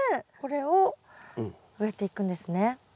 これを植えていくんですね。